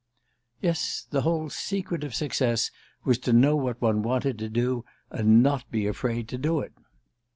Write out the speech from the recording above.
Yes, the whole secret of success was to know what one wanted to do, and not to be afraid to do it.